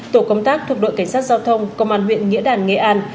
tổ công tác thuộc đội cảnh sát giao thông công an huyện nghĩa đàn nghệ an